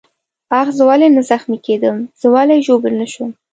آخ، زه ولې نه زخمي کېدم؟ زه ولې ژوبل نه شوم؟